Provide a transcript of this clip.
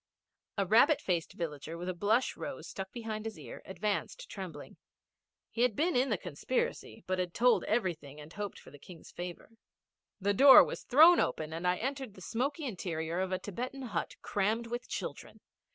A rabbit faced villager, with a blush rose stuck behind his ear, advanced trembling. He had been in the conspiracy, but had told everything and hoped for the King's favour. The door was thrown open and I entered the smoky interior of a Thibetan hut crammed with children.